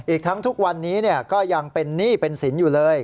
อีกทั้งทุกวันนี้ก็ยังเป็นหนี้เป็นสินอยู่เลย